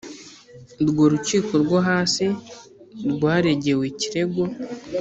urwo rukiko rwo hasi rwaregewe ikirego